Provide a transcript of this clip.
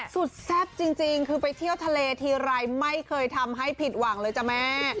แซ่บจริงคือไปเที่ยวทะเลทีไรไม่เคยทำให้ผิดหวังเลยจ้ะแม่